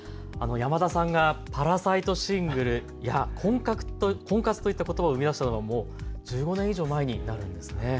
山田さんがパラサイトシングルや婚活といったことばを生み出したのも１５年以上前になるんですね。